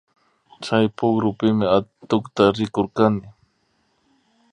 Chay pukrupimi atukta rikurkani